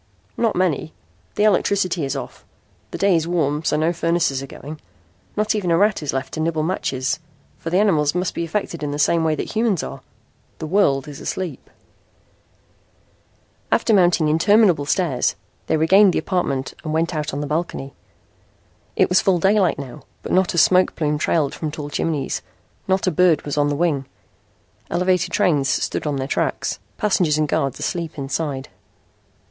"Not many. The electricity is off. The day is warm so no furnaces are going. Not even a rat is left to nibble matches, for the animals must be affected in the same way that humans are. The world is asleep." After mounting interminable stairs they regained the apartment and went out on the balcony. It was full daylight now but not a smoke plume trailed from tall chimneys. Not a bird was on the wing. Elevated trains stood on their tracks, passengers and guards asleep inside.